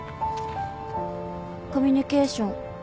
「コミュニケーション。